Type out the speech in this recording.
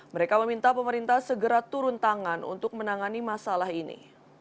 mereka meminta pemerintah segera turun tangan untuk menangani masalah ini